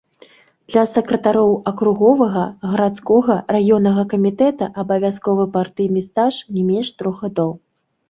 Для сакратароў акруговага, гарадскога, раённага камітэта абавязковы партыйны стаж не менш трох гадоў.